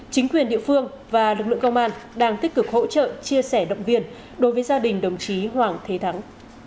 chính quyền địa phương và lực lượng công an đang tích cực hỗ trợ chia sẻ động viên đối với gia đình đồng chí hoàng thế thắng